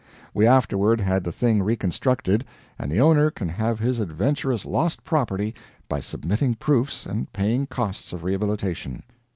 We afterward had the thing reconstructed, and the owner can have his adventurous lost property by submitting proofs and paying costs of rehabilitation.